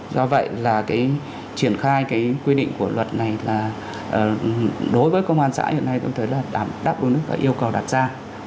do vậy là cái triển khai cái quy định của luật này là đối với công an xã hiện nay tôi thấy là đảm đáp ứng các yêu cầu đặt ra